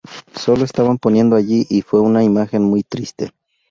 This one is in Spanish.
Sólo estaban poniendo allí y fue una imagen muy triste.